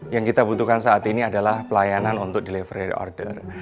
yang kita butuhkan saat ini adalah pelayanan untuk delivery order